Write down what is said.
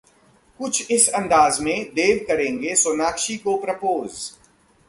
कुछ इस अंदाज में देव करेंगे सोनाक्षी को प्रपोज